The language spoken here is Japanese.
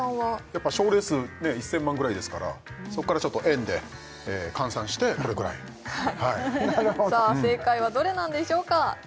やっぱ賞レース１０００万ぐらいですからそっからちょっと円で換算してこれくらいさあ正解はどれなんでしょうか？